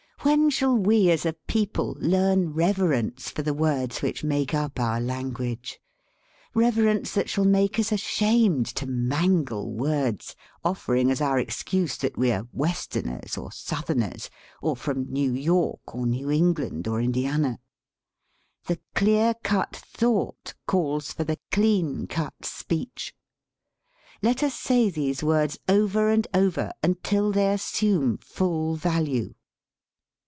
When shall we, as a people, learn reverence for the words which make up our language reverence that shall make us THE ESSAY ashamed to mangle words, offering as our excuse that we are "Westerners" or "South erners" or from New York or New England or Indiana. The clear cut thought calls for the clean cut speech. Let us say these words over and over until they assume full value.